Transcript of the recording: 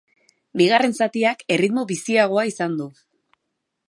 Bigarren zatiak erritmo biziagoa izan du.